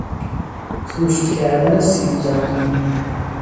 پوست کردن سیب زمینی